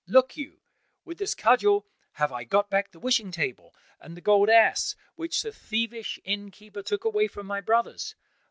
Look you, with this cudgel have I got back the wishing table and the gold ass which the thievish inn keeper took away from my brothers.